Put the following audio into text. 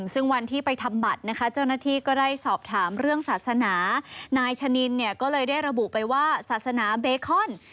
ซึ่งวันที่ไปทำบัตรนะคะเจ้าหน้าที่ก็ได้สอบถามเรื่องศาสนานายชะนินเนี่ยก็เลยได้ระบุไปว่าศาสนาเบคอน